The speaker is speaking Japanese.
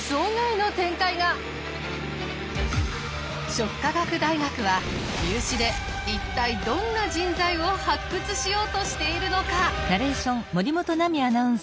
食科学大学は入試で一体どんな人材を発掘しようとしているのか！？